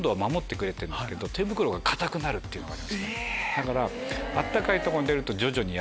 だから。